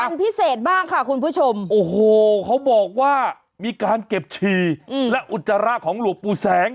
เป็นพิเศษมากค่ะคุณผู้ชมโอ้โหเขาบอกว่ามีการเก็บฉี่และอุจจาระของหลวงปู่แสง